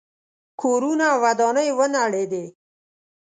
کورونه او ودانۍ ونړېدې.